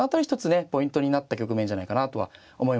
ポイントになった局面じゃないかなとは思いますね。